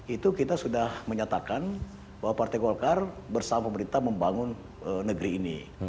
itu kita sudah menyatakan bahwa partai golkar bersama pemerintah membangun negeri ini